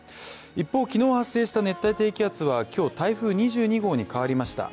一方、昨日発生した熱帯低気圧は今日、台風２２号に変わりました。